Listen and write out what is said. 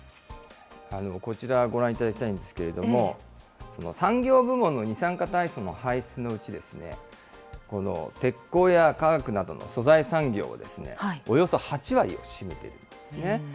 こちらご覧いただきたいんですけれども、産業部門の二酸化炭素の排出のうち、この鉄鋼や化学などの素材産業はおよそ８割を占めているんですね。